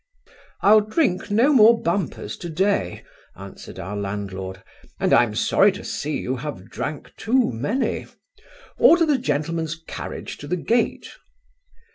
'I'll drink no more bumpers to day (answered our landlord); and I am sorry to see you have drank too many. Order the gentleman's carriage to the gate.